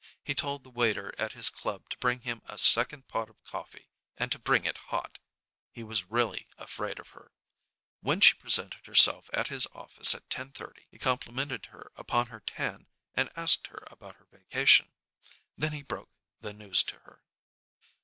He told the waiter at his club to bring him a second pot of coffee and to bring it hot. He was really afraid of her. When she presented herself at his office at 10:30 he complimented her upon her tan and asked about her vacation. Then he broke the news to her.